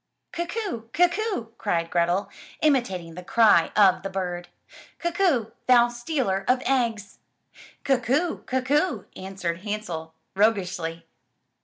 "Cuck oo! Cuck oo!*' cried Grethel, imitating the cry of the bird. "Cuck oo, thou stealer of eggs! "Cuck oo! Cuck oo!*' answered Hansel roguishly.